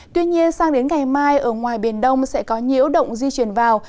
tuy nhiên sang đến ngày mai ở ngoài biển đông sẽ có nhiễu động di chuyển vào